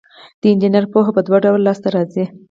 د انجینر پوهه په دوه ډوله لاس ته راځي.